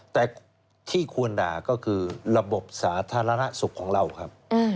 แต่ที่ควรด่าก็คือระบบสาธารณสุขของเราครับ